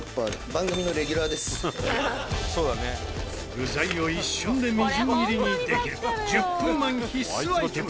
具材を一瞬でみじん切りにできる１０分マン必須アイテム。